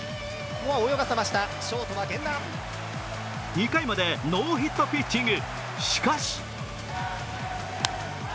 ２回までノーヒットピッチング。